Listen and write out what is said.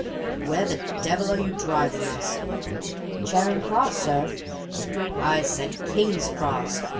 "Where the devil are you driving us?" "Charing Cross, sir." "I said King's Cross!